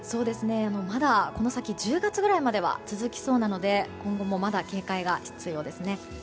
まだこの先１０月ぐらいまでは続きそうなので今後もまだ警戒が必要ですね。